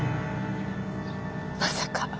まさか。